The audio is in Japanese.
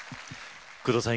工藤さん